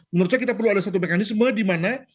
menurut saya kita perlu ada satu mekanisme di mana